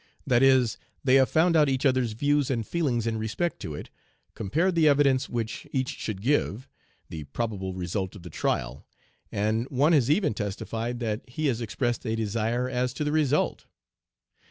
That is, they have found out each other's views and feelings in respect to it, compared the evidence which each should give, the probable result of the trial; and one has even testified that he has expressed a desire as to the result.